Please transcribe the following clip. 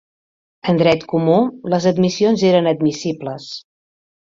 En dret comú, les admissions eren admissibles.